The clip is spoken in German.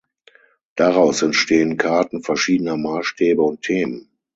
Daraus entstehen Karten verschiedener Maßstäbe und Themen.